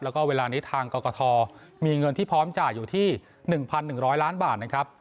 แล้วก็เวลานี้ทางกรกฐมีเงินที่พร้อมจ่ายอยู่ที่๑๑๐๐ล้านบาทนะครับ